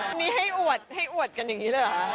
วันนี้ให้อวดให้อวดกันอย่างนี้เลยเหรอคะ